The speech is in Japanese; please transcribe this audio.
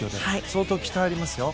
相当期待がありますよ。